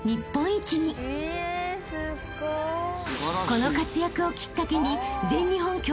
［この活躍をきっかけに］